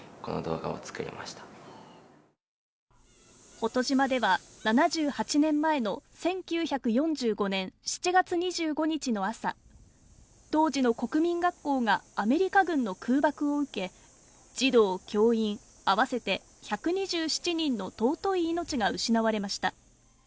保戸島では７８年前の１９４５年７月２５日の朝当時の国民学校がアメリカ軍の空爆を受け児童、教員合わせて１２７人の尊い命が失われました。